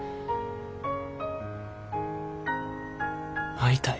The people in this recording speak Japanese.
会いたい。